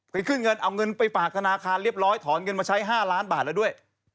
ขึ้นเงินเอาเงินไปฝากธนาคารเรียบร้อยถอนเงินมาใช้๕ล้านบาทแล้วด้วย